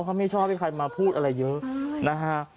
เขาไม่ชอบให้ใครมาพูดอะไรเยอะนะฮะ